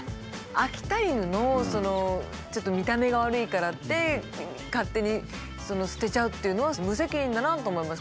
秋田犬のちょっと見た目が悪いからって勝手に捨てちゃうっていうのは無責任だなと思いました。